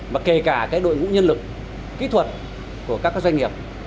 mà kể cả đội ngũ nhân lực kỹ thuật của các doanh nghiệp